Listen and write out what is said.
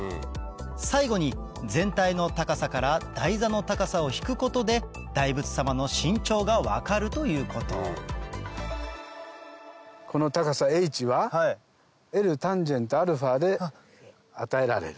最後に全体の高さから台座の高さを引くことで大仏様の身長が分かるということこの高さＨはＬｔａｎαで与えられる。